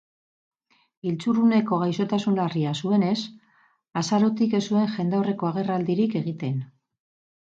Giltzurruneko gaixotasun larria zuenez, azarotik ez zuen jendaurreko agerraldirik egiten.